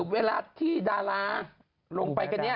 เวลาที่ดาราลงไปกันเนี่ย